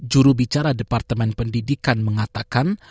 jurubicara departemen pendidikan mengatakan